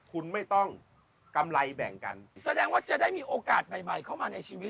คุณไม่ต้องกำไรแบ่งกันแสดงว่าจะได้มีโอกาสใหม่ใหม่เข้ามาในชีวิต